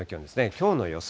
きょうの予想